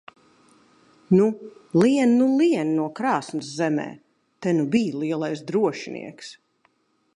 Nu, lien nu lien no krāsns zemē! Te nu bij lielais drošinieks!